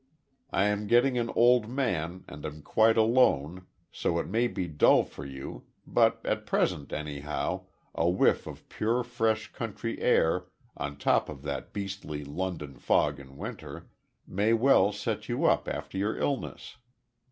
I am getting an old man and am quite alone, so it may be dull for you, but at present, anyhow, a whiff of pure, fresh, country air, on top of that beastly London fog in winter, may well set you up after your illness.